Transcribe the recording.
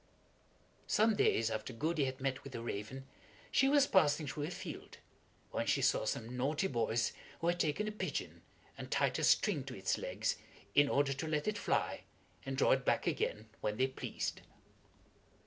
Some days after Goody had met with the raven, she was passing through a field, when she saw some naughty boys who had taken a pigeon, and tied a string to its legs in order to let it fly and draw it back again when they pleased.